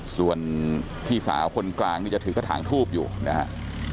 ส่วนพี่สาวคนกลางนี่จะถือกระถางทูบอยู่นะฮะ